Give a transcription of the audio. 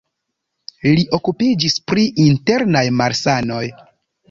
Li okupiĝis pri internaj malsanoj.